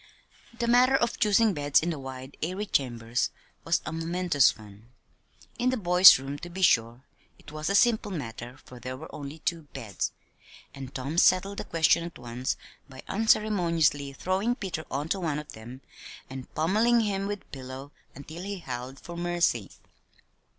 The matter of choosing beds in the wide, airy chambers was a momentous one. In the boys' room, to be sure, it was a simple matter, for there were only two beds, and Tom settled the question at once by unceremoniously throwing Peter on to one of them, and pommeling him with the pillow until he howled for mercy.